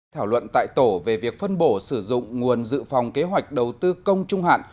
thảo luận tại tổ về việc phân bổ sử dụng nguồn dự phòng kế hoạch đầu tư công trung hạn